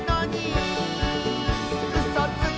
「うそつき！」